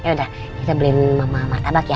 yaudah kita beliin mama martabak ya